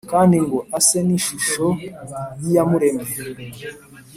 kandi ngo ase n’ishusho y’Iyamuremye